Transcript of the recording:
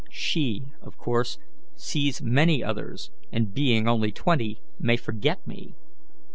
She, of course, sees many others, and, being only twenty, may forget me.